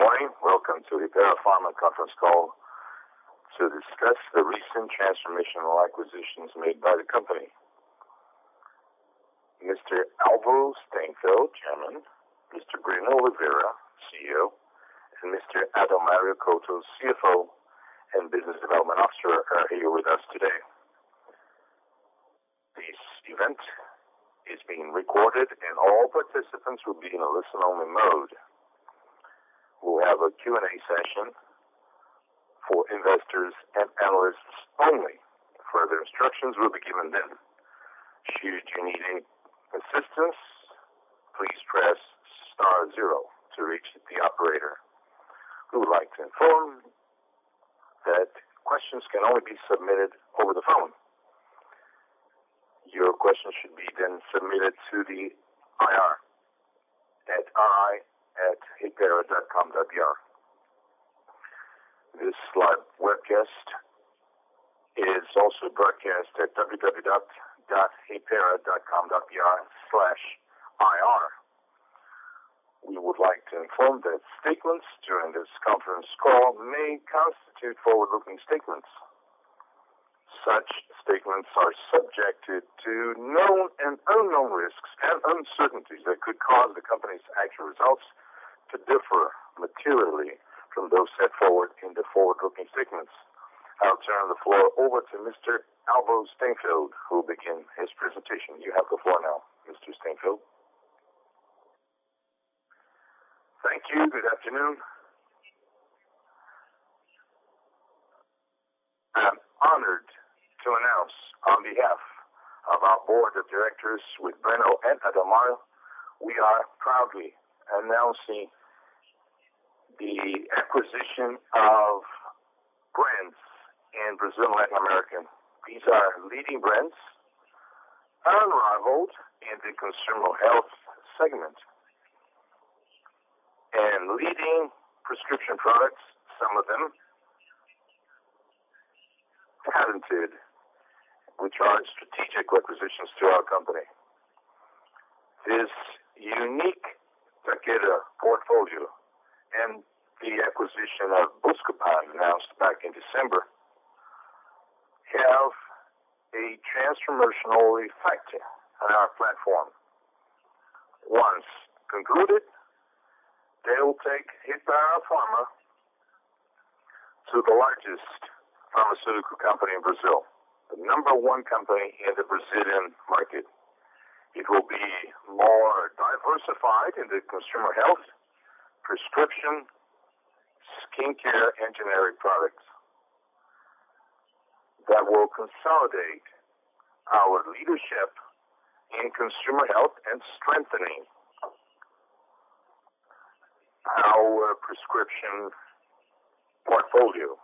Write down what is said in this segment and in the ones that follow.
Good morning. Welcome to Hypera Pharma conference call to discuss the recent transformational acquisitions made by the company. Mr. Álvaro Stainfeld, Chairman, Mr. Breno Oliveira, CEO, and Mr. Adalmario Couto, CFO and Business Development Officer are here with us today. This event is being recorded, and all participants will be in a listen-only mode. We will have a Q&A session for investors and analysts only. Further instructions will be given then. Should you need any assistance, please press star zero to reach the operator. We would like to inform that questions can only be submitted over the phone. Your question should be then submitted to the IR at ir@hypera.com.br. This live webcast is also broadcast at www.hypera.com.br/ir. We would like to inform that statements during this conference call may constitute forward-looking statements. Such statements are subjected to known and unknown risks and uncertainties that could cause the company's actual results to differ materially from those set forward in the forward-looking statements. I'll turn the floor over to Mr. Álvaro Stainfeld, who'll begin his presentation. You have the floor now, Mr. Stainfeld. Thank you. Good afternoon. I am honored to announce on behalf of our board of directors with Breno and Adalmario, we are proudly announcing the acquisition of brands in Brazil and Latin America. These are leading brands, unrivaled in the consumer health segment. Leading prescription products, some of them patented, which are strategic acquisitions to our company. This unique Takeda portfolio and the acquisition of Buscopan announced back in December have a transformational effect on our platform. Once concluded, they will take Hypera Pharma to the largest pharmaceutical company in Brazil, the number 1 company in the Brazilian market. It will be more diversified in the consumer health, prescription, skincare, and generic products. That will consolidate our leadership in consumer health and strengthening our prescription portfolio.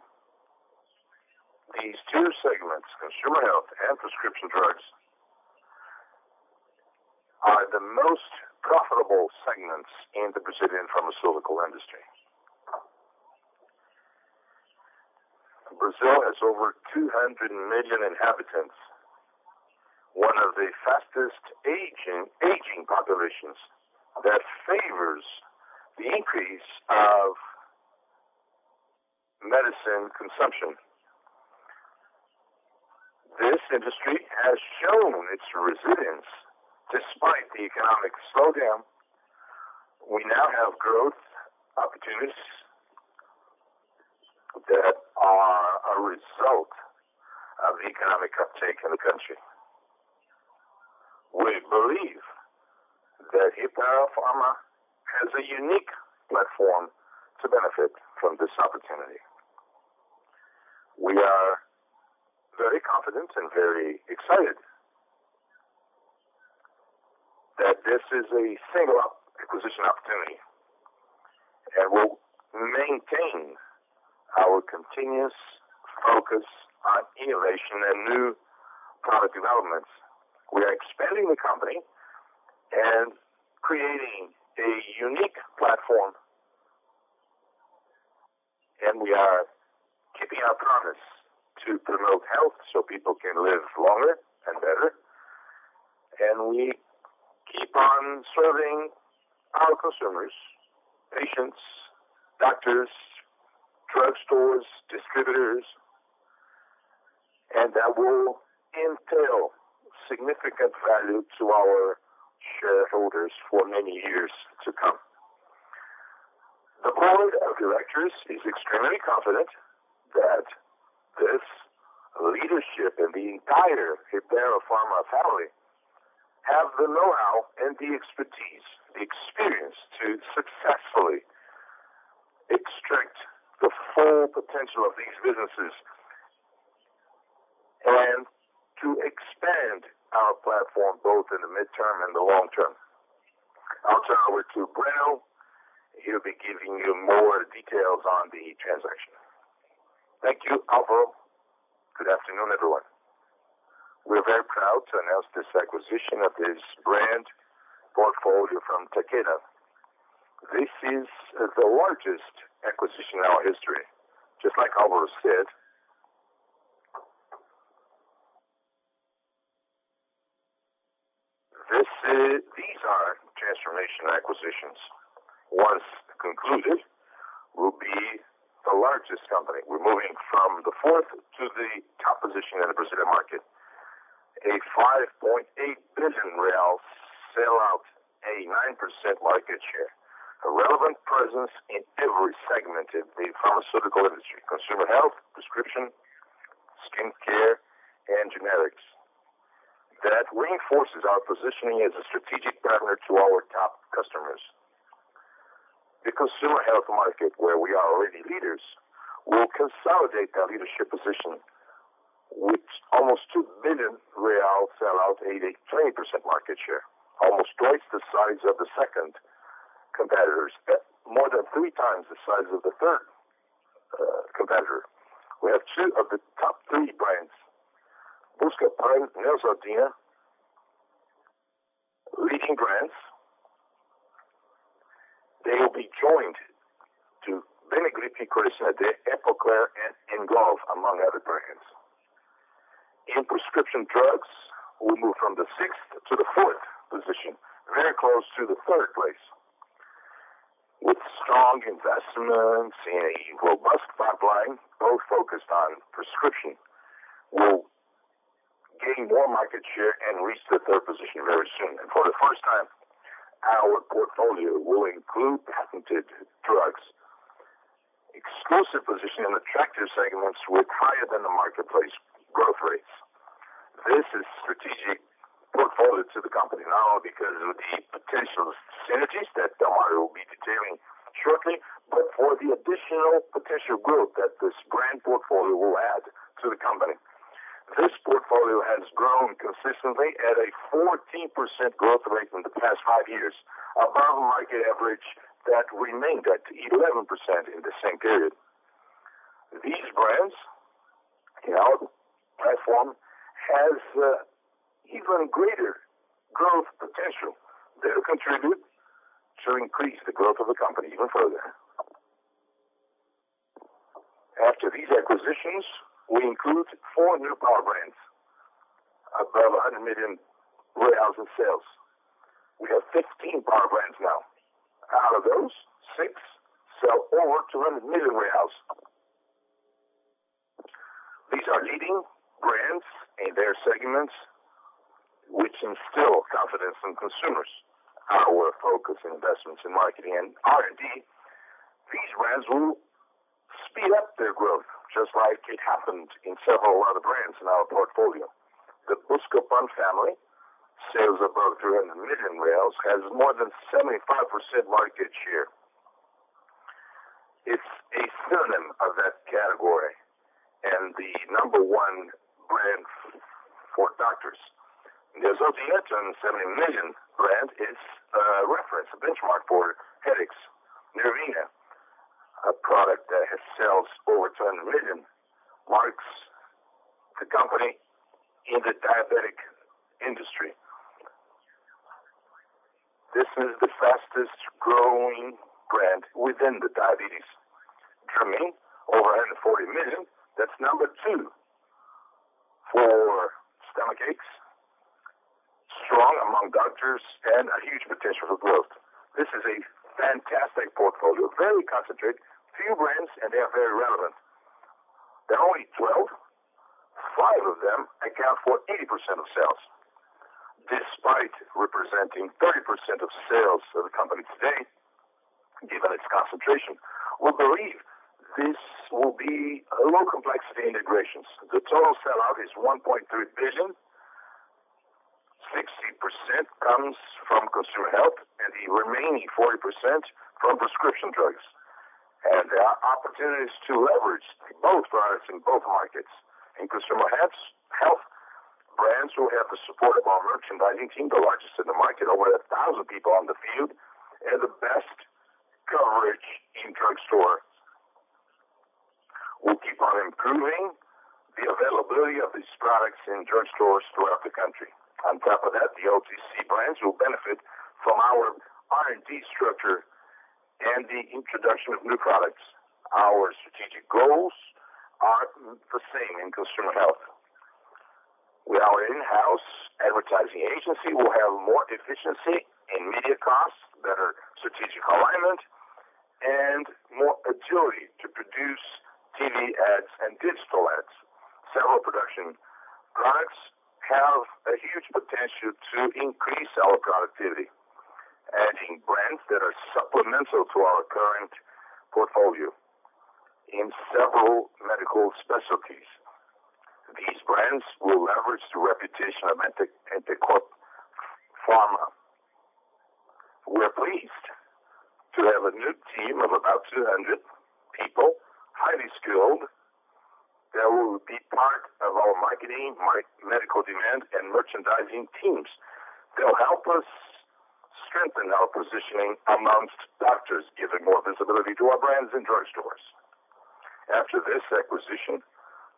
These two segments, consumer health and prescription drugs, are the most profitable segments in the Brazilian pharmaceutical industry. Brazil has over 200 million inhabitants. One of the fastest-aging populations that favors the increase of medicine consumption. This industry has shown its resilience despite the economic slowdown. We now have growth opportunities that are a result of economic uptake in the country. We believe that Hypera Pharma has a unique platform to benefit from this opportunity. We are very confident and very excited that this is a singular acquisition opportunity, and we'll maintain our continuous focus on innovation and new product developments. We are expanding the company and creating a unique platform, we are keeping our promise to promote health so people can live longer and better. We keep on serving our consumers, patients, doctors, drugstores, distributors, that will entail significant value to our shareholders for many years to come. The board of directors is extremely confident that this leadership and the entire Hypera Pharma family have the know-how and the expertise, experience to successfully extract the full potential of these businesses and to expand our platform both in the midterm and the long term. I'll turn over to Breno. He'll be giving you more details on the transaction. Thank you, Álvaro. Good afternoon, everyone. We're very proud to announce this acquisition of this brand portfolio from Takeda. This is the largest acquisition in our history. Just like Álvaro said. These are transformation acquisitions. Once concluded, we'll be the largest company. We're moving from the fourth to the top position in the Brazilian market. A 5.8 billion real sell-out, a 9% market share, a relevant presence in every segment of the pharmaceutical industry, consumer health, prescription, skincare, and generics. That reinforces our positioning as a strategic partner to our top customers. The consumer health market, where we are already leaders, will consolidate our leadership position, with almost two billion real sell-out, hitting 20% market share, almost twice the size of the second competitors, more than three times the size of the third competitor. We have two of the top three brands, Buscopan, Neosaldina, leading brands. They will be joined to Benegrip, Picorisa, DPrev, Epocler, and Engov, among other brands. In prescription drugs, we move from the sixth to the fourth position, very close to the third place. With strong investments and a robust pipeline, both focused on prescription, we'll gain more market share and reach the third position very soon. For the first time, our portfolio will include patented drugs. Exclusive positioning on attractive segments with higher than the marketplace growth rates. This is strategic portfolio to the company, not only because of the potential synergies that Adalmario will be detailing shortly, but for the additional potential growth that this brand portfolio will add to the company. This portfolio has grown consistently at a 14% growth rate from the past five years, above market average that remained at 11% in the same period. These brands in our platform has even greater growth potential. They'll contribute to increase the growth of the company even further. After these acquisitions, we include four new power brands above 100 million in sales. We have 15 power brands now. Out of those, six sell over BRL 200 million. These are leading brands in their segments, which instill confidence in consumers. Our focus investments in marketing and R&D. These brands will speed up their growth, just like it happened in several other brands in our portfolio. The Buscopan family sells above 200 million, has more than 75% market share. It's a synonym of that category and the number one brand for doctors. Neosaldina, BRL 270 million brand, is a reference, a benchmark for headaches. Nesina, a product that sells over 200 million, marks the company in the diabetic industry. This is the fastest-growing brand within the diabetes. Tamarine, over 140 million. That's number two for stomach aches. Strong among doctors and a huge potential for growth. This is a fantastic portfolio. Very concentrated, few brands, and they are very relevant. There are only 12. Five of them account for 80% of sales. Despite representing 30% of sales of the company today, given its concentration, we believe this will be low complexity integrations. The total sell-out is 1.3 billion. 60% comes from consumer health and the remaining 40% from prescription drugs. There are opportunities to leverage both products in both markets. In consumer health, brands will have the support of our merchandising, the largest in the market, over 1,000 people on the field, and the best coverage in drugstore. We'll keep on improving the availability of these products in drugstores throughout the country. On top of that, the OTC brands will benefit from our R&D structure and the introduction of new products. Our strategic goals are the same in consumer health. With our in-house advertising agency, we will have more efficiency in media costs, better strategic alignment, and more agility to produce TV ads and digital ads. Several production products have a huge potential to increase our productivity, adding brands that are supplemental to our current portfolio in several medical specialties. These brands will leverage the reputation of Antikor Pharma. We are pleased to have a new team of about 200 people, highly skilled, that will be part of our marketing, medical demand, and merchandising teams. They will help us strengthen our positioning amongst doctors, giving more visibility to our brands in drugstores. After this acquisition,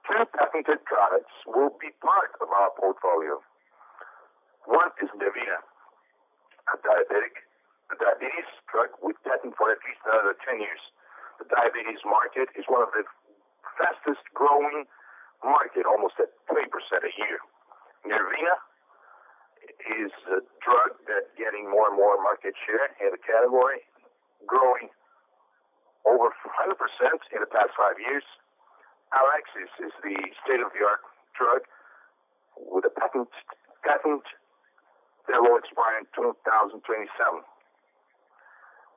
two patented products will be part of our portfolio. One is Nesina, a Diabetes drug we have patent for at least another 10 years. The diabetes market is one of the fastest-growing market, almost at 3% a year. Nerivio is a drug that getting more and more market share in the category, growing over 100% in the past five years. AURYXIA is the state-of-the-art drug with a patent that will expire in 2027.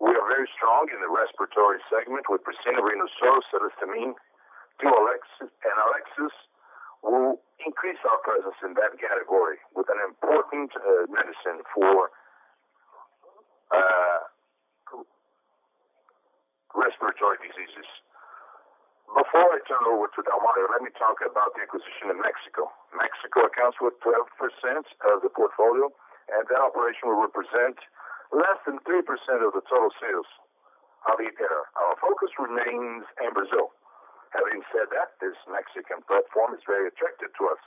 We are very strong in the respiratory segment with Percen, Rinosoro, cetirizine, Duo-X and AURYXIA will increase our presence in that category with an important medicine for respiratory diseases. Before I turn over to Adalmario, let me talk about the acquisition in Mexico. Mexico accounts for 12% of the portfolio, and that operation will represent less than 3% of the total sales of Hypera. Our focus remains in Brazil. Having said that, this Mexican platform is very attractive to us.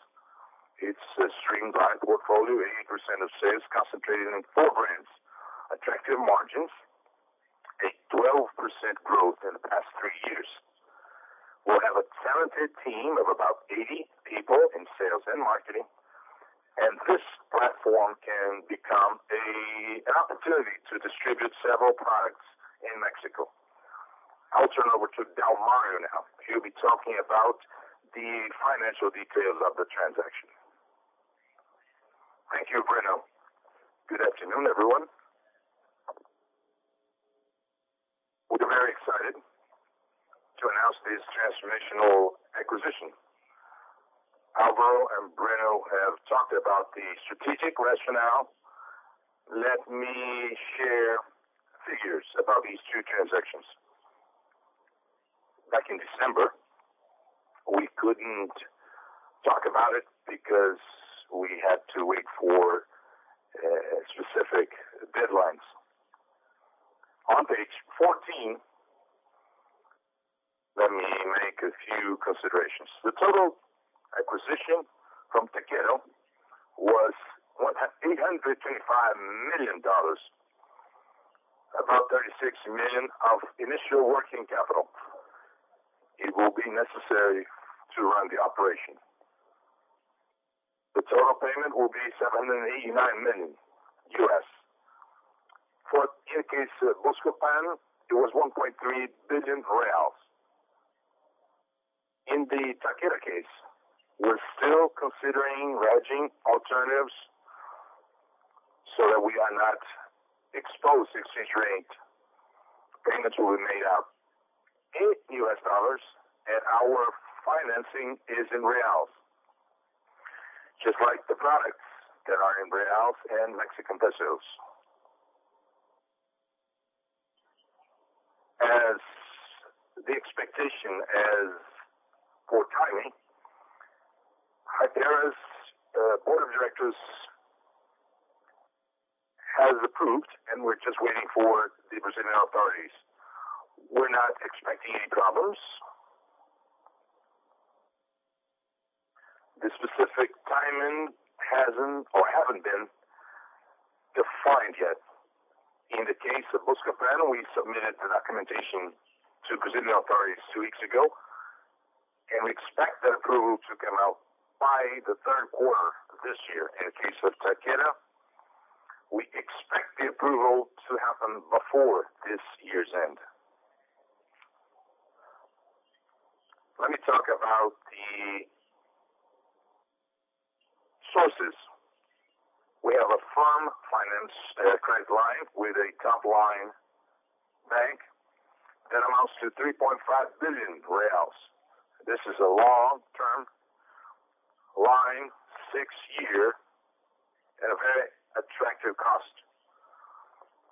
It's a streamlined portfolio, 80% of sales concentrated in four brands. Attractive margins, a 12% growth in the past three years. We have a talented team of about 80 people in sales and marketing, and this platform can become an opportunity to distribute several products in Mexico. I'll turn over to Adalmario now. He'll be talking about the financial details of the transaction. Thank you, Breno. Good afternoon, everyone. We're very excited to announce this transformational acquisition. Álvaro and Breno have talked about the strategic rationale. Let me share figures about these two transactions. Back in December, we couldn't talk about it because we had to wait for specific deadlines. On page 14, let me make a few considerations. The total acquisition from Takeda was $825 million. About $36 million of initial working capital. It will be necessary to run the operation. The total payment will be $789 million. For Takeda's Buscopan, it was 1.3 billion reais. In the Takeda case, we're still considering hedging alternatives so that we are not exposed to exchange rate. The payments will be made out in US dollars, and our financing is in BRL, just like the products that are in BRL and MXN. As the expectation as for timing, Hypera's board of directors has approved, and we're just waiting for the Brazilian authorities. We're not expecting any problems. The specific timing hasn't or haven't been defined yet. In the case of Buscopan, we submitted the documentation to Brazilian authorities two weeks ago, and we expect that approval to come out by the third quarter of this year. In the case of Takeda, we expect the approval to happen before this year's end. Let me talk about the sources. We have a firm finance credit line with a top-line bank that amounts to 3.5 billion reais. This is a long-term line, six-year, at a very attractive cost,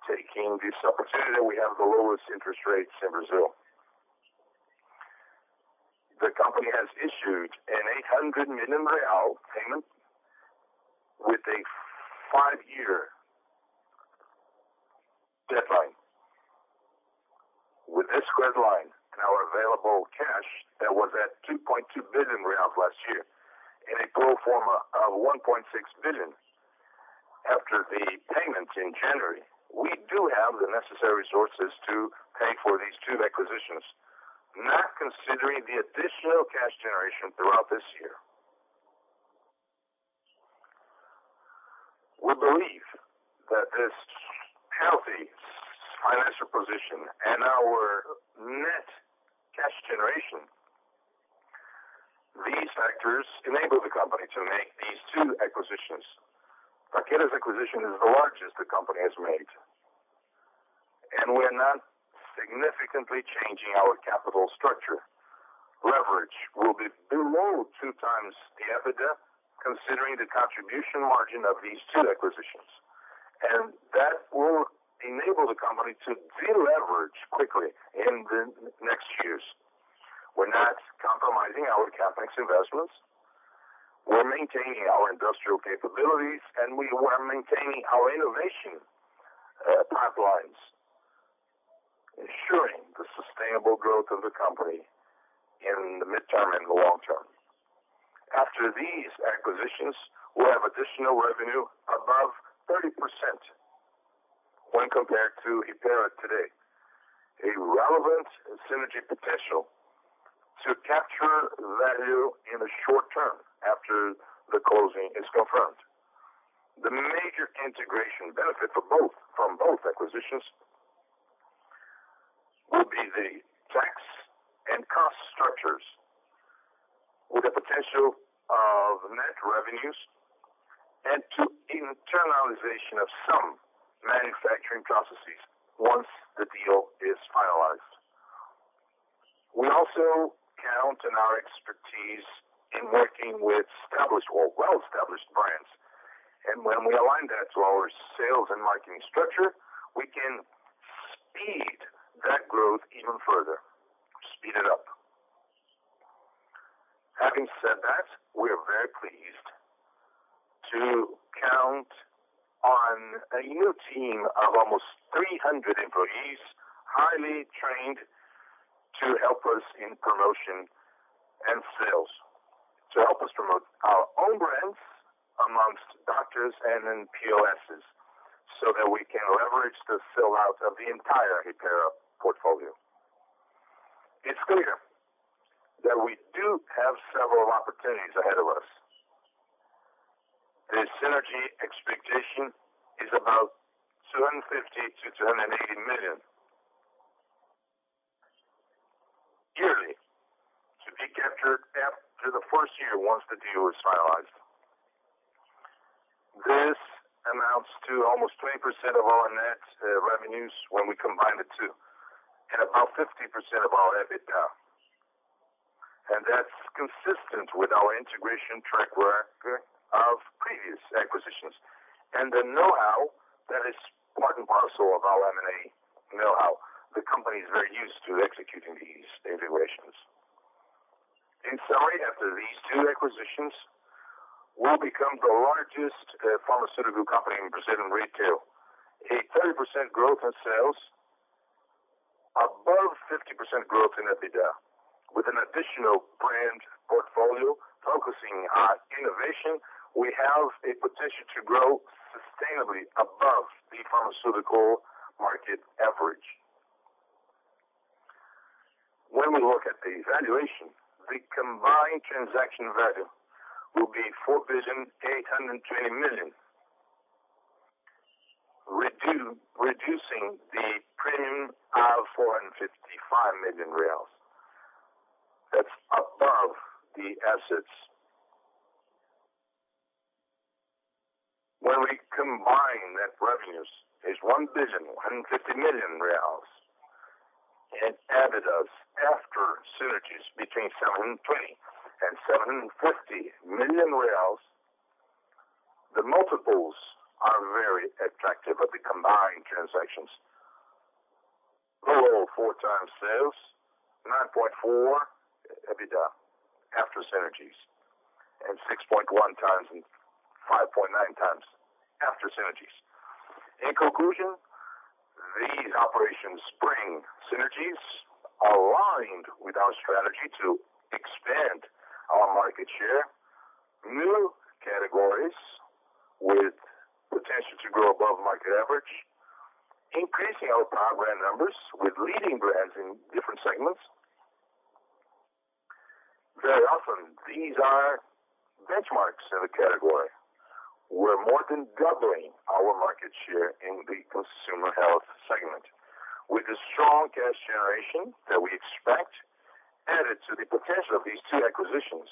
taking this opportunity that we have the lowest interest rates in Brazil. The company has issued a 800 million real payment with a five-year deadline. With this credit line and our available cash that was at BRL 2.2 billion last year in a pro forma of 1.6 billion after the payment in January, we do have the necessary resources to pay for these two acquisitions, not considering the additional cash generation throughout this year. We believe that this healthy financial position and our net cash generation, these factors enable the company to make these two acquisitions. Takeda's acquisition is the largest the company has made, and we're not significantly changing our capital structure. Leverage will be below two times the EBITDA, considering the contribution margin of these two acquisitions. That will enable the company to deleverage quickly in the next years. We're not compromising our CapEx investments. We're maintaining our industrial capabilities, and we are maintaining our innovation pipelines, ensuring the sustainable growth of the company in the midterm and the long term. After these acquisitions, we'll have additional revenue above 30% when compared to Hypera today. A relevant synergy potential to capture value in the short term after the closing is confirmed. The major integration benefit from both acquisitions will be the tax and cost structures with the potential of net revenues and the internalization of some manufacturing processes once the deal is finalized. We also count on our expertise in working with established or well-established brands. When we align that to our sales and marketing structure, we can speed that growth even further, speed it up. Having said that, we are very pleased to count on a new team of almost 300 employees, highly trained to help us in promotion and sales. To help us promote our own brands amongst doctors and in POSs, so that we can leverage the sell-out of the entire Hypera portfolio. It's clear that we do have several opportunities ahead of us. The synergy expectation is about BRL 250 million-BRL 280 million yearly to be captured after the first year once the deal is finalized. This amounts to almost 20% of our net revenues when we combine the two, and about 50% of our EBITDA. That's consistent with our integration track record of previous acquisitions. The know-how, that is part and parcel of our M&A know-how. The company is very used to executing these integrations. In summary, after these two acquisitions, we'll become the largest pharmaceutical company in Brazil in retail. A 30% growth in sales, above 50% growth in EBITDA. With an additional brand portfolio focusing on innovation, we have a potential to grow sustainably above the pharmaceutical market average. When we look at the valuation, the combined transaction value will be 4.820 billion, reducing the premium of 455 million reais. That's above the assets. When we combine net revenues is 1.150 billion and EBITDAs after synergies between 720 million and 750 million reais. The multiples are very attractive at the combined transactions. Below 4x sales, 9.4x EBITDA after synergies, and 6.1x and 5.9x after synergies. In conclusion, these operations bring synergies aligned with our strategy to expand our market share, new categories with potential to grow above market average, increasing our brand numbers with leading brands in different segments. Very often, these are benchmarks in the category. We're more than doubling our market share in the consumer health segment. With the strong cash generation that we expect, added to the potential of these two acquisitions,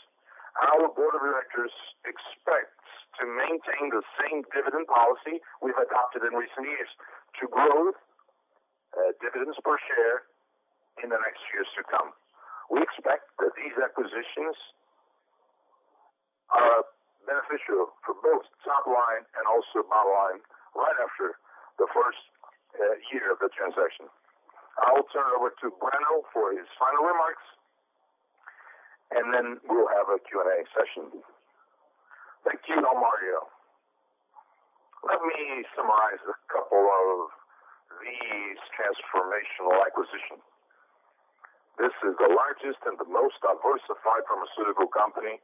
our board of directors expects to maintain the same dividend policy we've adopted in recent years to grow dividends per share in the next years to come. We expect that these acquisitions are beneficial for both top line and also bottom line right after the first year of the transaction. I will turn over to Breno for his final remarks, then we'll have a Q&A session. Thank you, Adalmario. Let me summarize a couple of these transformational acquisitions. This is the largest and the most diversified pharmaceutical company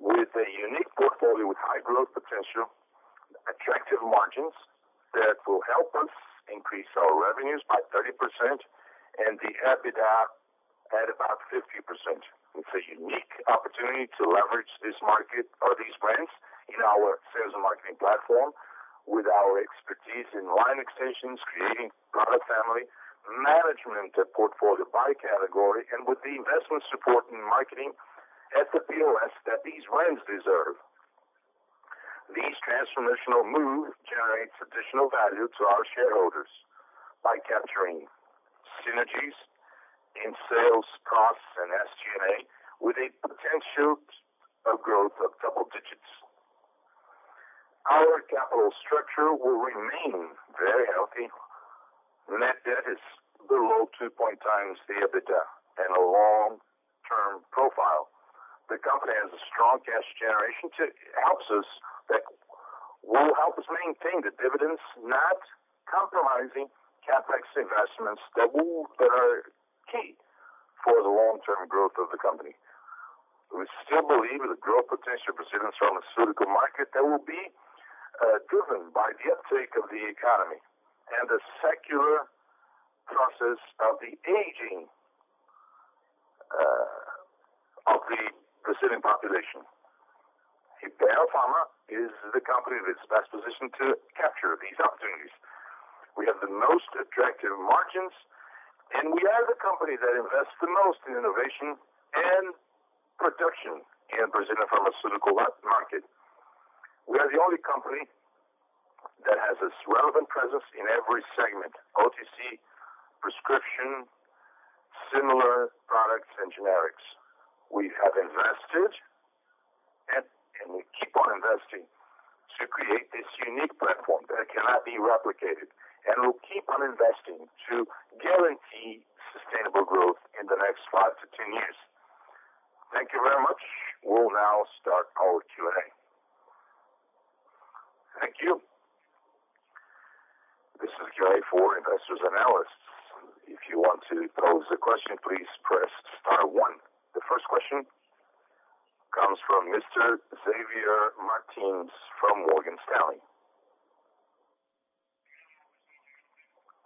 with a unique portfolio with high growth potential, attractive margins that will help us increase our revenues by 30%, The EBITDA at about 50%. It's a unique opportunity to leverage these brands in our sales and marketing platform with our expertise in line extensions, creating product family, management of portfolio by category, and with the investment support in marketing at the POS that these brands deserve. These transformational moves generates additional value to our shareholders by capturing synergies in sales costs and SG&A with a potential of growth of double digits. Our capital structure will remain very healthy. Net debt is below two times the EBITDA and a long profile. The company has a strong cash generation that will help us maintain the dividends, not compromising CapEx investments that are key for the long-term growth of the company. We still believe in the growth potential of the Brazilian pharmaceutical market that will be driven by the uptake of the economy and the secular process of the aging of the Brazilian population. Hypera Pharma is the company that's best positioned to capture these opportunities. We have the most attractive margins, and we are the company that invests the most in innovation and production in Brazilian pharmaceutical market. We are the only company that has a relevant presence in every segment, OTC, prescription, similar products, and generics. We have invested, and we keep on investing to create this unique platform that cannot be replicated, and we'll keep on investing to guarantee sustainable growth in the next five to 10 years. Thank you very much. We'll now start our Q&A. Thank you. This is Q&A for investors and analysts. If you want to pose a question, please press star one. The first question comes from Mr. Javier Martínez from Morgan Stanley.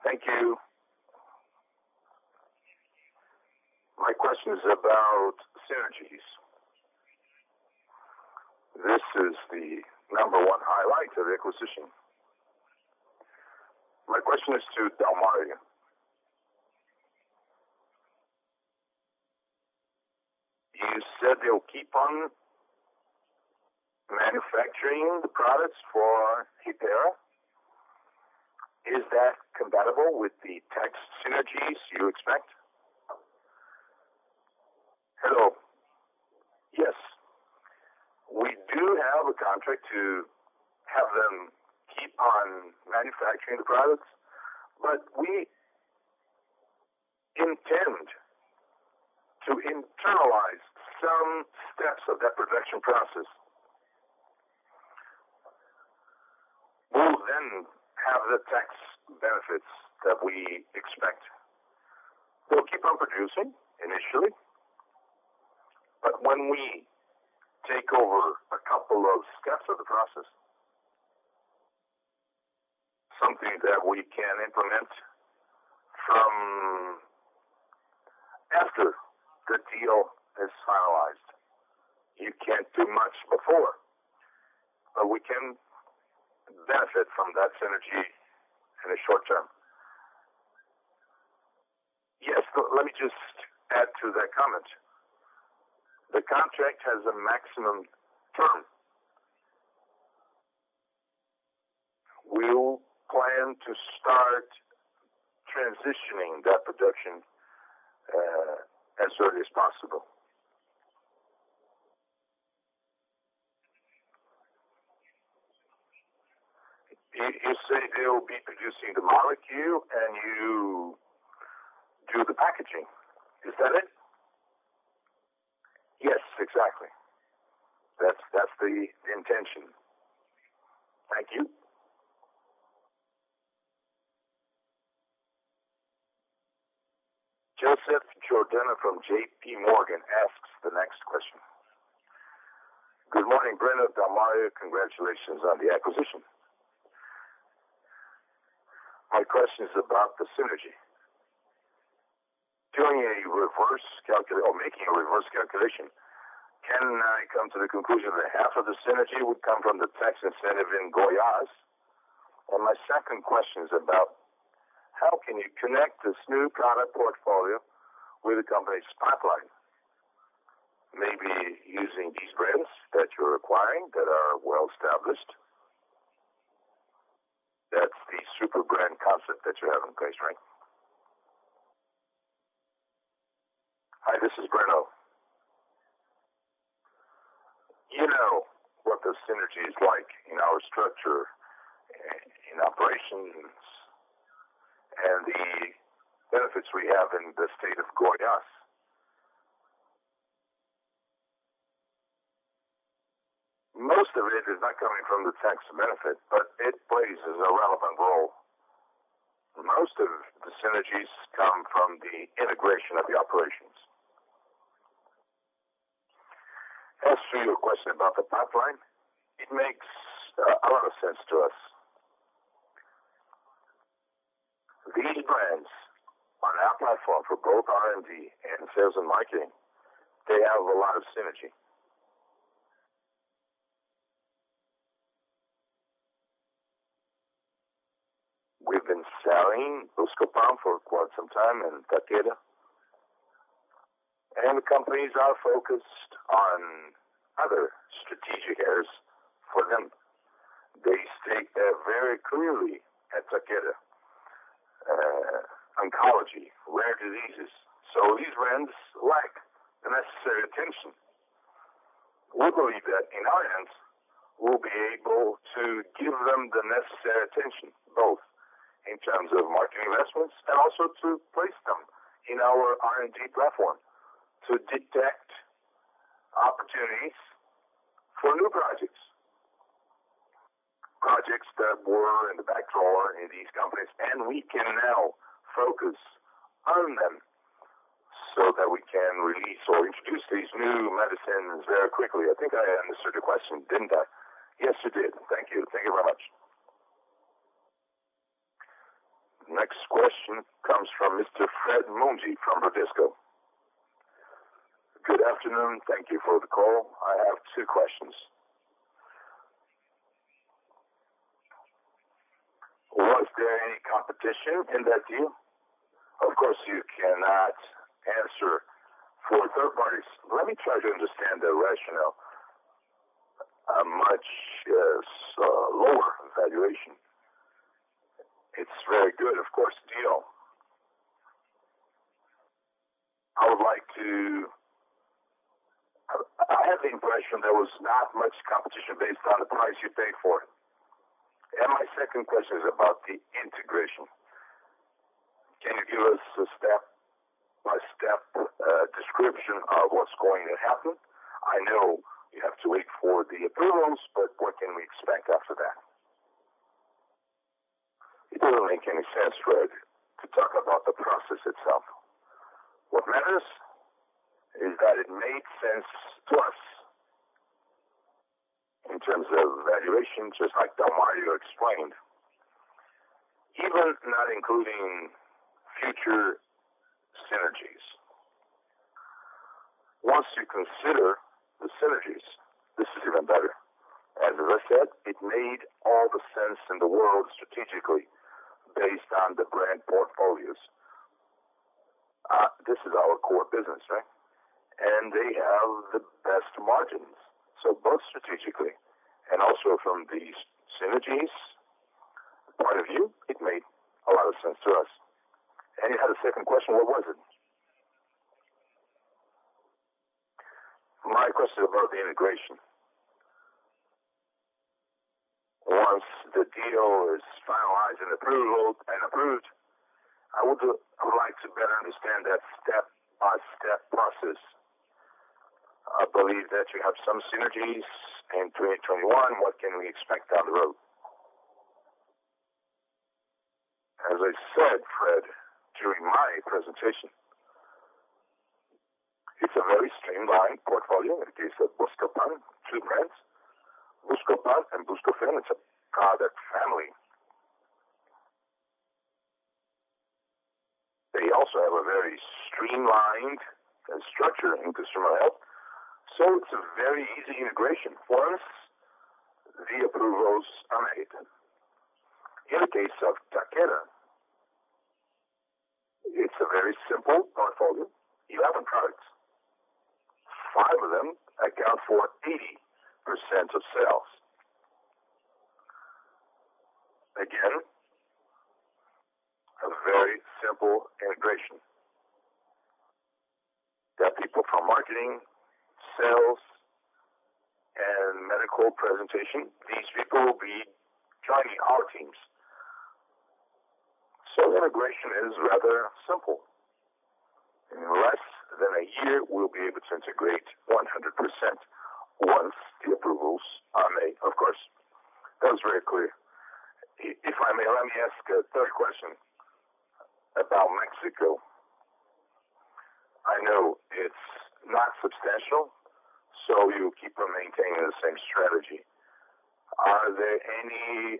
Thank you. My question is about synergies. This is the number one highlight of the acquisition. My question is to Adalmario. You said you'll keep on manufacturing the products for Hypera. Is that compatible with the tax synergies you expect? Hello. Yes. We do have a contract to have them keep on manufacturing the products. We intend to internalize some steps of that production process. We'll then have the tax benefits that we expect. We'll keep on producing initially. When we take over a couple of steps of the process, something that we can implement from after the deal is finalized. You can't do much before. We can benefit from that synergy in the short term. Yes. Let me just add to that comment. The contract has a maximum term. We will plan to start transitioning that production as early as possible. You say they will be producing the molecule, and you do the packaging. Is that it? Yes, exactly. That's the intention. Thank you. Joseph Giordano from JPMorgan asks the next question. Good morning, Breno, Adalmario. Congratulations on the acquisition. My question is about the synergy. Doing a reverse calculate or making a reverse calculation, can I come to the conclusion that half of the synergy would come from the tax incentive in Goiás? My second question is about how can you connect this new product portfolio with the company's pipeline, maybe using these brands that you're acquiring that are well-established. That's the super brand concept that you have in place, right? Hi, this is Breno. You know what the synergy is like in our structure, in operations, and the benefits we have in the state of Goiás. Most of it is not coming from the tax benefit, but it plays a relevant role. Most of the synergies come from the integration of the operations. As to your question about the pipeline, it makes a lot of sense to us. These brands are our platform for both R&D and sales and marketing. They have a lot of synergy. We've been selling Buscopan for quite some time and Takeda. The companies are focused on other strategic areas for them. They state that very clearly at Takeda, oncology, rare diseases. These brands lack the necessary attention. We believe that in our hands, we'll be able to give them the necessary attention, both in terms of marketing investments and also to place them in our R&D platform to detect opportunities for new projects. Projects that were in the back drawer in these companies. We can now focus on them so that we can release or introduce these new medicines very quickly. I think I answered your question, didn't I? Yes, you did. Thank you. Thank you very much. Next question comes from Mr. Fred Mendes from Bradesco. Good afternoon. Thank you for the call. I have two questions. Was there any competition in that deal? Of course, you cannot answer for third parties. Let me try to understand the rationale. A much lower valuation. It's very good, of course, deal. I have the impression there was not much competition based on the price you paid for it. My second question is about the integration. Can you give us a step-by-step description of what's going to happen? I know you have to wait for the approvals, but what can we expect after that? It doesn't make any sense, Fred, to talk about the process itself. What matters is that it made sense to us in terms of valuation, just like Adalmario explained, even not including future synergies. Once you consider the synergies, this is even better. It made all the sense in the world strategically based on the brand portfolios. This is our core business, right? They have the best margins. Both strategically and also from the synergies point of view, it made a lot of sense to us. You had a second question. What was it? My question about the integration. Once the deal is finalized and approved, I would like to better understand that step-by-step process. I believe that you have some synergies in 2021. What can we expect down the road? Fred, during my presentation. It's a very streamlined portfolio. In the case of Buscopan, two brands, Buscopan and Buscofem. It's a product family. They also have a very streamlined structure in customer health. It's a very easy integration once the approvals are made. In the case of Takeda, it's a very simple portfolio. 11 products. Five of them account for 80% of sales. A very simple integration. The people from marketing, sales, and medical presentation, these people will be joining our teams. Integration is rather simple. In less than a year, we'll be able to integrate 100% once the approvals are made, of course. That was very clear. If I may, let me ask a third question about Mexico. I know it's not substantial, so you keep on maintaining the same strategy. Are there any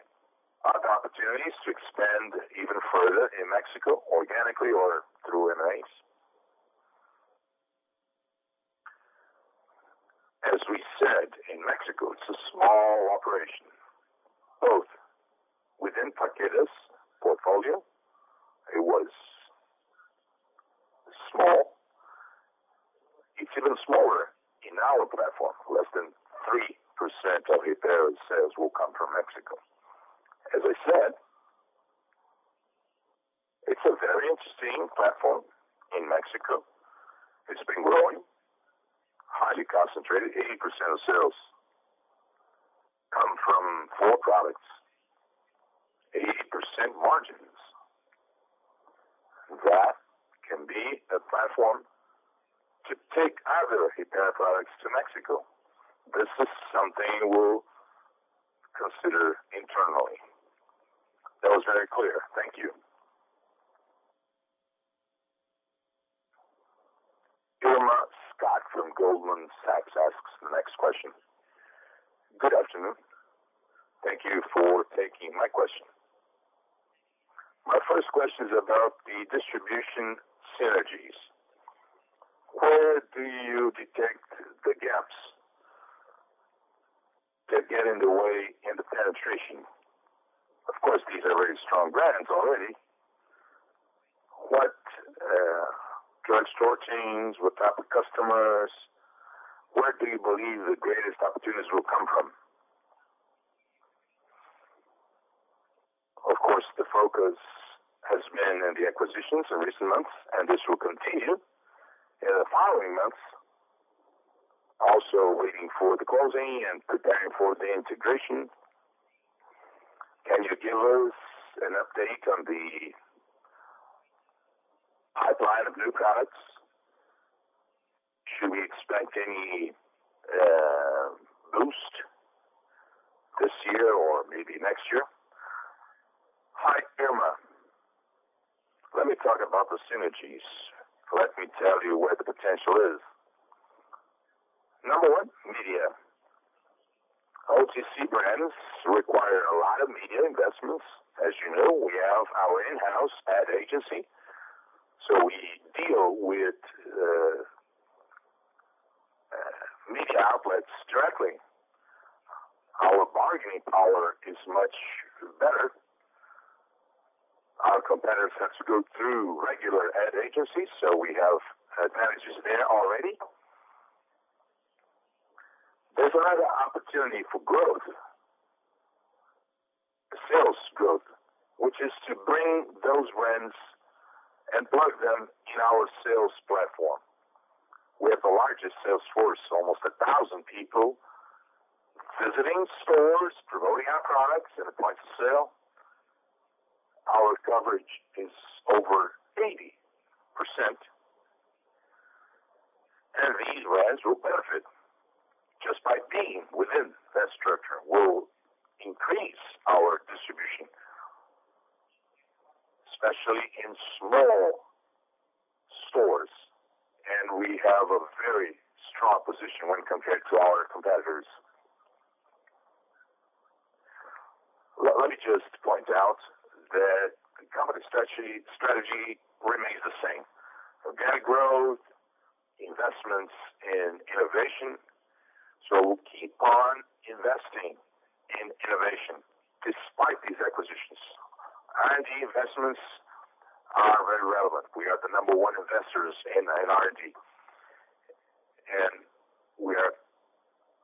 other opportunities to expand even further in Mexico, organically or through M&As? As we said, in Mexico, it's a small operation. Both within Takeda's portfolio, it was small. It's even smaller in our platform. Less than 3% of Hypera's sales will come from Mexico. As I said, it's a very interesting platform in Mexico. It's been growing. Highly concentrated, 80% of sales come from four products. 80% margins. That can be a platform to take other Hypera products to Mexico. This is something we'll consider internally. That was very clear. Thank you. Irma Sgarz from Goldman Sachs asks the next question. Good afternoon. Thank you for taking my question. My first question is about the distribution synergies. Where do you detect the gaps that get in the way in the penetration? Of course, these are very strong brands already. What drug store chains? What type of customers? Where do you believe the greatest opportunities will come from? Then the acquisitions in recent months, and this will continue in the following months. Also waiting for the closing and preparing for the integration. Can you give us an update on the pipeline of new products? Should we expect any boost this year or maybe next year? Hi, Irma. Let me talk about the synergies. Let me tell you where the potential is. Number one, media. OTC brands require a lot of media investments. As you know, we have our in-house ad agency. We deal with media outlets directly. Our bargaining power is much better. Our competitors have to go through regular ad agencies. We have advantages there already. There's another opportunity for growth. Sales growth, which is to bring those brands and plug them in our sales platform. We have the largest sales force, almost 1,000 people. Visiting stores, promoting our products at a point of sale. Our coverage is over 80%. These brands will benefit just by being within that structure. We'll increase our distribution, especially in small stores. We have a very strong position when compared to our competitors. Let me just point out that the company strategy remains the same. Organic growth, investments in innovation. We'll keep on investing in innovation despite these acquisitions. R&D investments are very relevant. We are the number one investors in R&D, and we are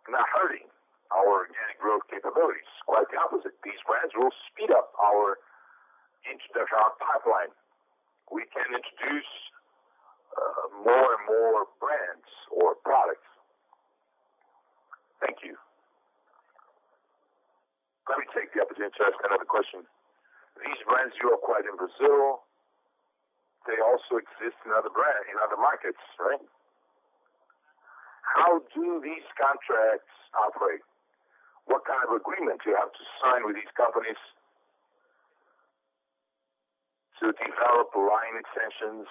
not hurting our organic growth capabilities. Quite the opposite. These brands will speed up our introduction pipeline. We can introduce more and more brands or products. Thank you. Let me take the opportunity to ask another question. These brands you acquired in Brazil, they also exist in other markets, right? How do these contracts operate? What kind of agreement do you have to sign with these companies to develop line extensions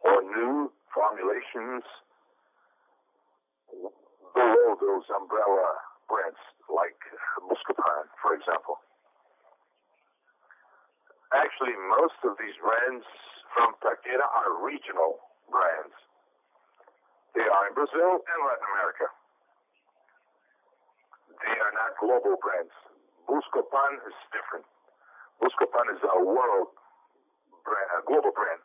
or new formulations below those umbrella brands, like Buscopan, for example? Actually, most of these brands from Takeda are regional brands. They are in Brazil and Latin America. They are not global brands. Buscopan is different. Buscopan is a world brand, a global brand.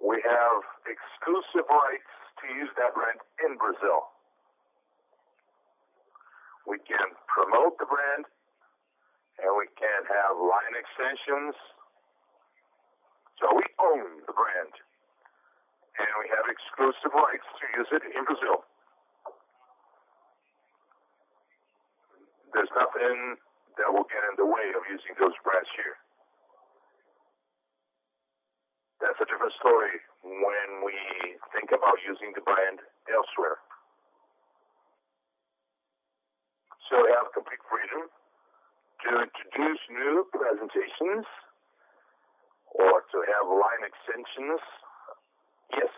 We have exclusive rights to use that brand in Brazil. We can promote the brand and we can have line extensions. We own the brand, and we have exclusive rights to use it in Brazil. There's nothing that will get in the way of using those brands here. That's a different story when we think about using the brand elsewhere. We have complete freedom to introduce new presentations or to have line extensions? Yes.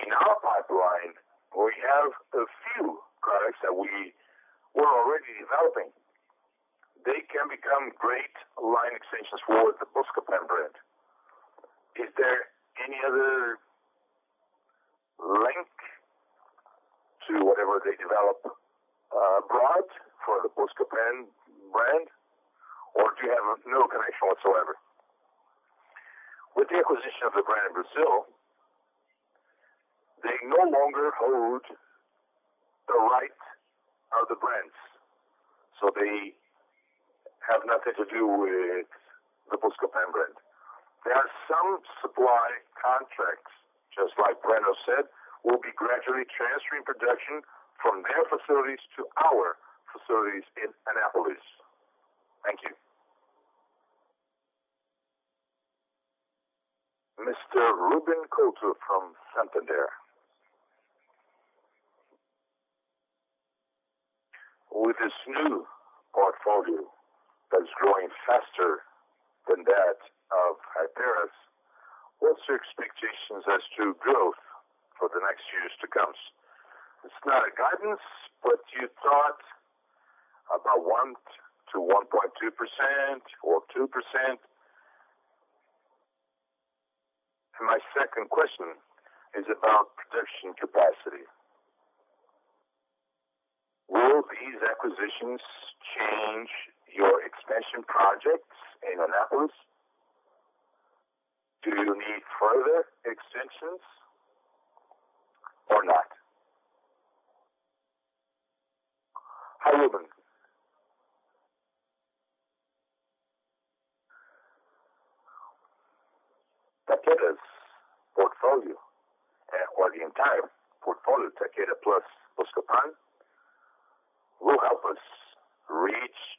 In our pipeline, we have a few products that we were already developing. They can become great line extensions for the Buscopan brand. Is there any other link to whatever they develop abroad for the Buscopan brand, or do you have no connection whatsoever? With the acquisition of the brand in Brazil, they no longer hold the rights of the brands. They have nothing to do with the Buscopan brand. There are some supply contracts, just like Breno said. We'll be gradually transferring production from their facilities to our facilities in Anápolis. Thank you. Mr. Ruben Couto from Santander. With this new portfolio that's growing faster than that of Hypera's, what's your expectations as to growth for the next years to come? It's not a guidance, you thought about 1%-1.2% or 2%? My second question is about production capacity. Will these acquisitions change your expansion projects in Anápolis? Other extensions or not? How you bring it? Takeda's portfolio, or the entire portfolio, Takeda plus Buscopan, will help us reach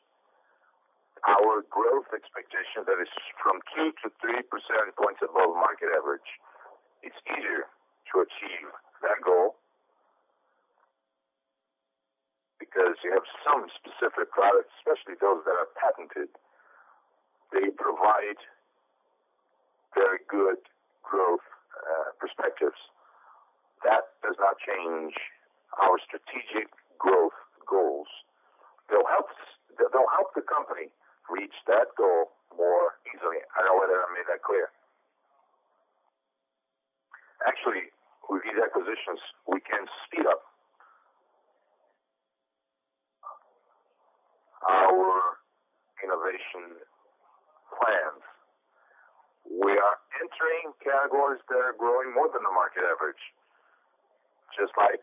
our growth expectation that is from 2%-3% points above market average. It's easier to achieve that goal because you have some specific products, especially those that are patented. They provide very good growth perspectives. That does not change our strategic growth goals. They'll help the company reach that goal more easily. I don't know whether I made that clear. Actually, with these acquisitions, we can speed up our innovation plans. We are entering categories that are growing more than the market average, just like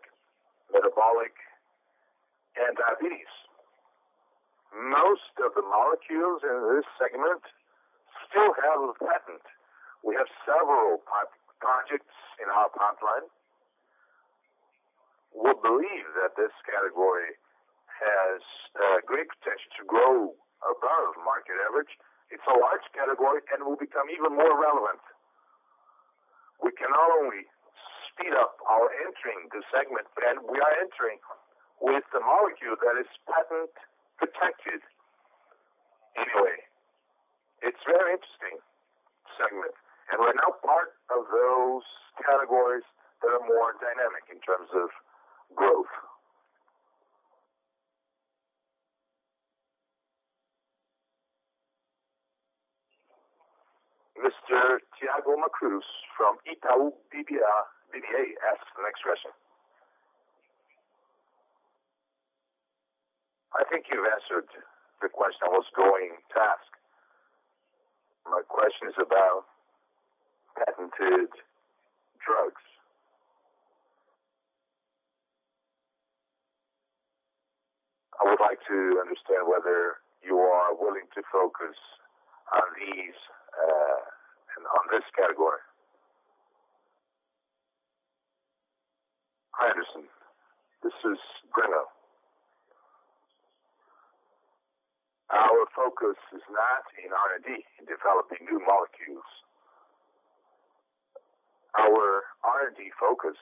metabolic and diabetes. Most of the molecules in this segment still have a patent. We have several projects in our pipeline. We believe that this category has great potential to grow above market average. It's a large category and will become even more relevant. We can not only speed up our entering the segment, and we are entering with a molecule that is patent protected anyway. It's a very interesting segment, and we're now part of those categories that are more dynamic in terms of growth. Mr. Thiago Macruz from Itaú BBA asks the next question. I think you answered the question I was going to ask. My question is about patented drugs. I would like to understand whether you are willing to focus on these and on this category. Thiago, this is Breno. Our focus is not in R&D, in developing new molecules. Our R&D focus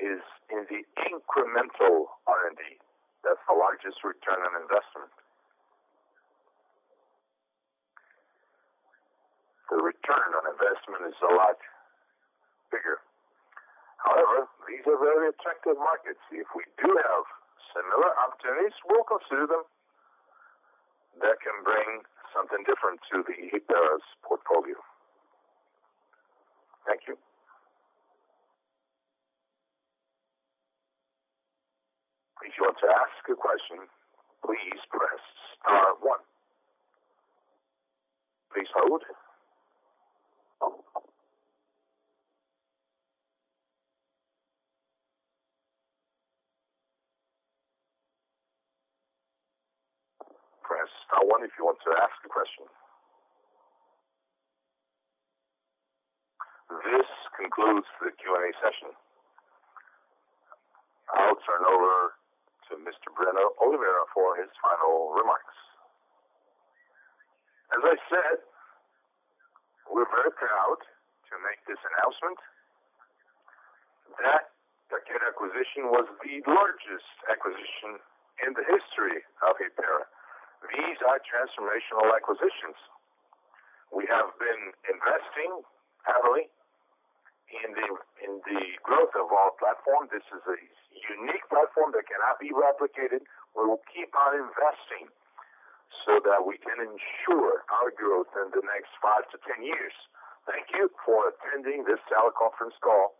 is in the incremental R&D that's the largest return on investment. The return on investment is a lot bigger. However, these are very attractive markets. If we do have similar opportunities, we will consider them. That can bring something different to Hypera's portfolio. Thank you. If you want to ask a question, please press star one. Please hold. Press star one if you want to ask a question. This concludes the Q&A session. I'll turn over to Mr. Breno Oliveira for his final remarks. As I said, we're very proud to make this announcement that the current acquisition was the largest acquisition in the history of Hypera. These are transformational acquisitions. We have been investing heavily in the growth of our platform. This is a unique platform that cannot be replicated. We will keep on investing so that we can ensure our growth in the next five to 10 years. Thank you for attending this teleconference call.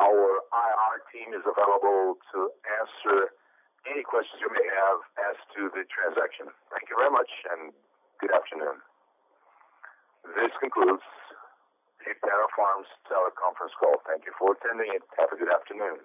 Our IR team is available to answer any questions you may have as to the transaction. Thank you very much, and good afternoon. This concludes Hypera Pharma's teleconference call. Thank you for attending. Have a good afternoon.